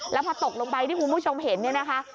แล้วพอตกลงไปที่คุณผู้ชมเห็นเนี่ยนะคะ